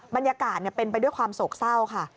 บรรยากาศเป็นไปด้วยความโศกเศร้าค่ะ